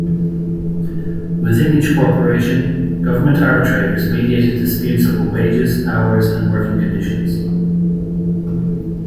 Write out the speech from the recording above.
Within each corporation, government arbitrators mediated disputes over wages, hours, and working conditions.